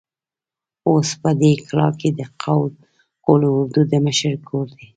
اوس په دې کلا کې د قول اردو د مشر کور دی.